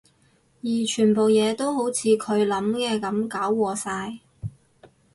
而全部嘢都好似佢諗嘅噉搞禍晒